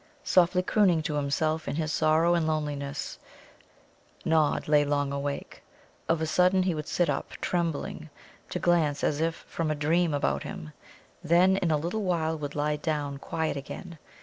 Softly crooning to himself in his sorrow and loneliness, Nod lay long awake. Of a sudden he would sit up, trembling, to glance as if from a dream about him, then in a little while would lie down quiet again.